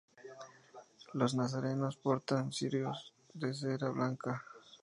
Los nazarenos portan cirios de cera blanca.